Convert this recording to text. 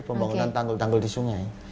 pembangunan tanggul tanggul di sungai